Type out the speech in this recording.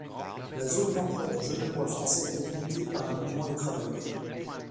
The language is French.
La zone d’emploi du Genevois français est délimitée par les mouvements des travailleurs.